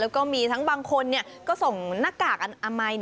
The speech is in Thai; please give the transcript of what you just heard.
แล้วก็มีทั้งบางคนก็ส่งหน้ากากอนามัย